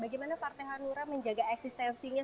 bagaimana partai hanura menjaga eksistensinya